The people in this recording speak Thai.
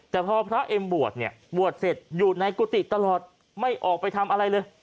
แต่พอพระเอ็มบวชเนี่ยบวชเสร็จอยู่ในกุฏิตลอดไม่ออกไปทำอะไรเลย